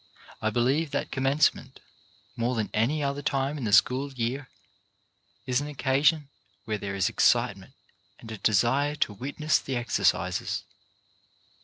I be lieve that Commencement, more than any other time in the school year, is an occasion when there is excitement and a desire to witness the exer cises.